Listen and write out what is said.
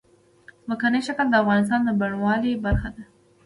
ځمکنی شکل د افغانستان د بڼوالۍ برخه ده.